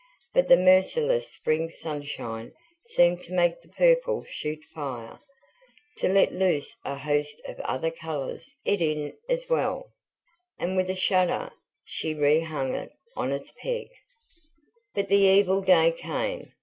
But the merciless spring sunshine seemed to make the purple shoot fire, to let loose a host of other colours it in as well, and, with a shudder, she re hung it on its peg. But the evil day came.